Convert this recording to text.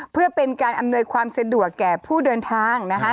เพื่อเป็นการอำนวยความสะดวกแก่ผู้เดินทาง